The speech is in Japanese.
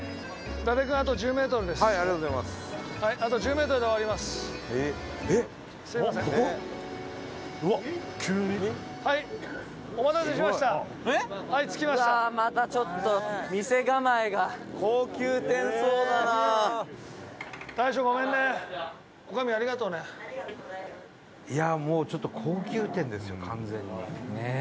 伊達：いやあ、もう、ちょっと高級店ですよ、完全に。